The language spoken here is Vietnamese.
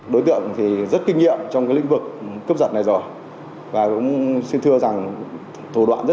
đối tượng rất kinh nghiệm trong lĩnh vực cướp giật này rồi